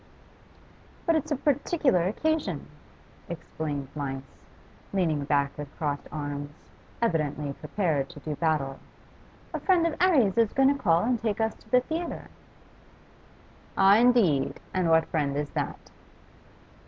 'But it's a particular occasion,' explained Mice, leaning back with crossed arms, evidently prepared to do battle. 'A friend of 'Arry's is going to call and take us to the theatre.' 'Oh, indeed! And what friend is that?